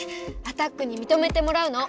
アタックにみとめてもらうの！